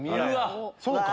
そうか！